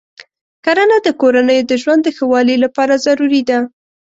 کرنه د کورنیو د ژوند د ښه والي لپاره ضروري ده.